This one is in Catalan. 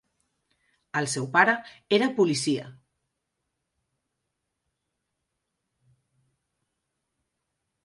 El seu pare era policia.